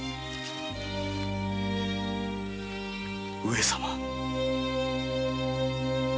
上様！